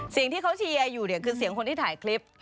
เสียงที่เขาเชียร์อยู่เนี่ยคือเสียงคนที่ถ่ายคลิป